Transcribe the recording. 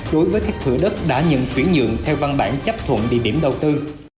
đối với các thủ đất đã nhận khuyển nhượng theo văn bản chấp thuận địa điểm đầu tư